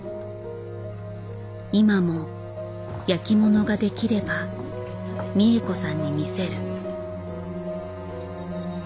今も焼きものができれば三枝子さんに見せる。